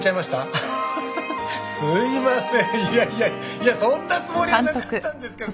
いやそんなつもりはなかったんですけれども。